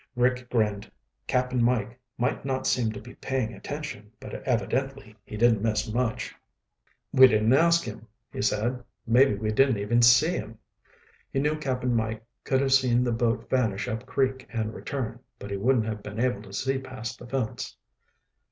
Rick grinned. Cap'n Mike might not seem to be paying attention, but evidently he didn't miss much. "We didn't ask him," he said. "Maybe we didn't even see him." He knew Cap'n Mike could have seen the boat vanish upcreek and return, but he wouldn't have been able to see past the fence.